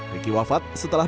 ricky wafat setelah